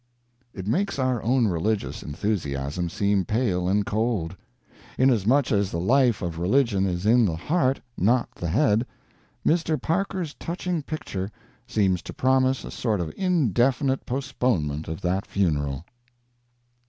It makes our own religious enthusiasm seem pale and cold. Inasmuch as the life of religion is in the heart, not the head, Mr. Parker's touching picture seems to promise a sort of indefinite postponement of that funeral.